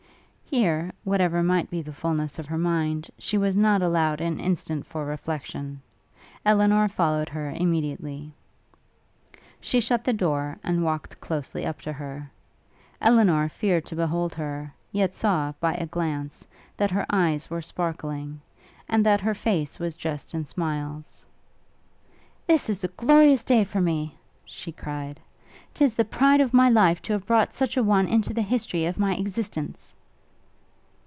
Here, whatever might be the fulness of her mind, she was not allowed an instant for reflection: Elinor followed her immediately. She shut the door, and walked closely up to her. Elinor feared to behold her; yet saw, by a glance, that her eyes were sparkling, and that her face was dressed in smiles. 'This is a glorious day for me!' she cried; ''tis the pride of my life to have brought such a one into the history of my existence!'